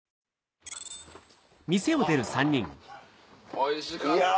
おいしかったわ！